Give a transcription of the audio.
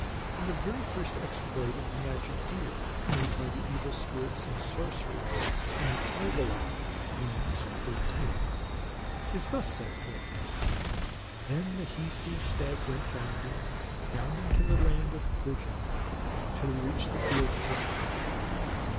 And the very first exploit of the magic deer, made by the evil spirits and sorcerers in the Kalevala (Runes XIII.), is thus set forth: " Then the Hiisi stag went bounding, Bounding to the land of Pohja, Till he reached the fields of Lapland.